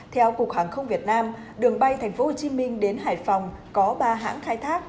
theo cục hàng không việt nam đường bay thành phố hồ chí minh đến hải phòng có ba hãng khai thác